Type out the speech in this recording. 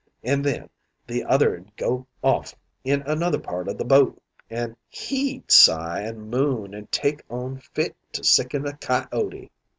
An' then the other 'ud go off in another part o' the boat an' he'd sigh an' moon an' take on fit to sicken a coyote.